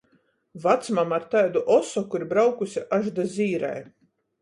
Vacmama ar taidu osoku ir braukuse až da Zīrei.